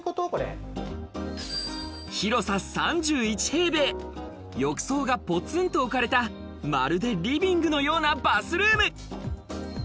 広さ３１平米、浴槽がぽつんと置かれた、まるでリビングのようなバスルーム。